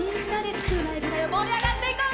盛り上がっていこうね！